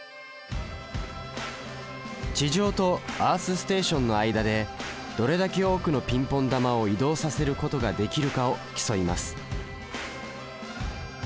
地上とアースステーションの間でどれだけ多くのピンポン球を移動させることができるかを競います。